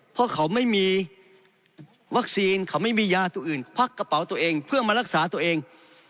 เพราะเขาไม่มีวัคซีนเขาไม่มียาตัวอื่นควักกระเป๋าตัวเองเพื่อมารักษาตัวเอง